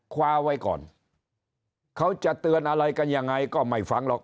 คว้าไว้ก่อนเขาจะเตือนอะไรกันยังไงก็ไม่ฟังหรอก